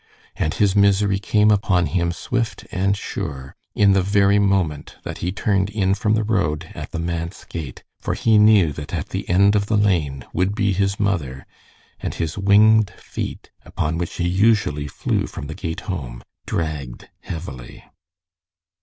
And his misery came upon him swift and sure, in the very moment that he turned in from the road at the manse gate, for he knew that at the end of the lane would be his mother, and his winged feet, upon which he usually flew from the gate home, dragged heavily.